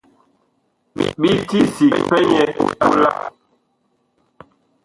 Bi ti sig pɛ nyɛ pola.